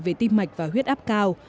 về tim mạch và huyết áp cao